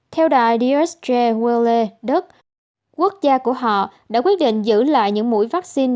theo đài dsg welle đức quốc gia của họ đã quyết định giữ lại những mũi vaccine